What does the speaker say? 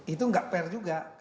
itu nggak fair juga